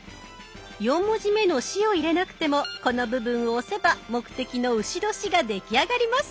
４文字目の「し」を入れなくてもこの部分を押せば目的の「丑年」が出来上がります。